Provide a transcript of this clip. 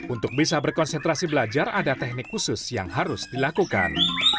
untuk bisa berkonsentrasi belajar ada teknik khusus yang harus dilakukan